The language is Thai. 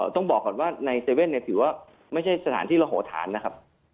ต้องบอกก่อนว่าใน๗๑๑ถือว่าไม่ใช่สถานที่ระโหธานนะครับ